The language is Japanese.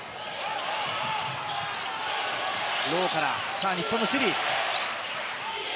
ローから日本の守備。